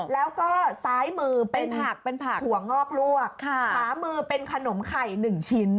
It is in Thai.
แล้วก็ซ้ายมือเป็นผักเป็นผักถั่วงอกลวกขามือเป็นขนมไข่หนึ่งชิ้น